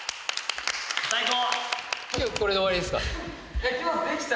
最高！